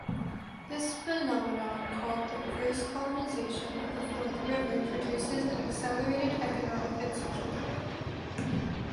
This phenomenon called "The First Colonization of the Fourth River", produces an accelerated economic and social development.